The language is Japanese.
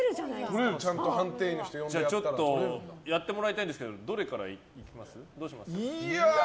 やってもらいたいんですけどどれからやります？